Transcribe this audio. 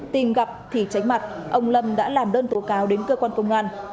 tìm gặp thì tránh mặt ông lâm đã làm đơn tố cáo đến cơ quan công an